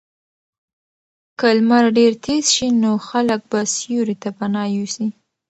که لمر ډېر تېز شي نو خلک به سیوري ته پناه یوسي.